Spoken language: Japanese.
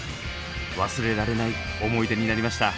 忘れられない思い出になりました。